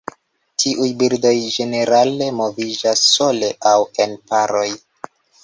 Tiuj birdoj ĝenerale moviĝas sole aŭ en paroj.